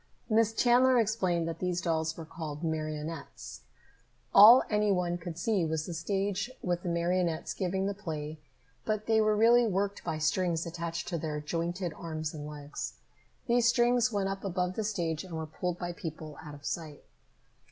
Miss Chandler explained that these dolls were called marionettes. All any one could see was the stage with the marionettes giving the play, but they were really worked by strings attached to their jointed arms and legs. These strings went up above the stage and were pulled by people out of sight.